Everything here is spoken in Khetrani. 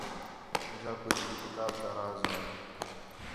جا کُج بھی کتاب تا راز ہا